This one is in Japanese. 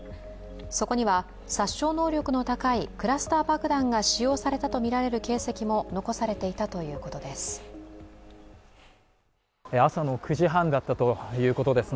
そこには殺傷能力の高いクラスター爆弾が使用されたとみられる形跡も残されていたということです。